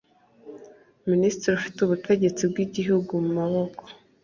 minisitiri ufite ubutegetsi bw igihugu mubako